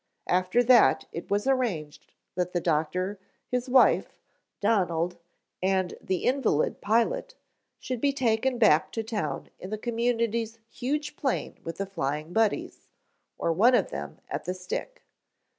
After that it was arranged that the doctor, his wife, Donald and the invalid pilot should be taken back to town in the community's huge plane with the Flying Buddies, or one of them, at the stick.